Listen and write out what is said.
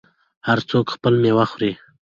هر څوک خپله میوه خوري.